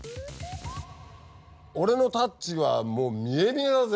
俺のタッチはもう見え見えだぜ。